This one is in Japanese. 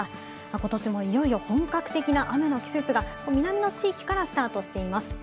今年もいよいよ本格的な雨の季節が南の地域からスタートしています。